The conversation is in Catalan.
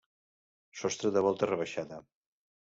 Sostre de volta rebaixada.